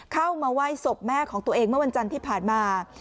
เข้ามาไหว้ศพแม่ของตัวเองเมื่อวันจันทร์ที่ผ่านมา